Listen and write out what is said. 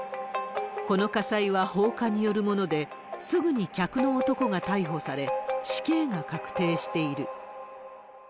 この火災は放火によるもので、すぐに客の男が逮捕され、死刑が確定している。